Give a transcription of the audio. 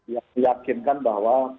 yang meyakinkan bahwa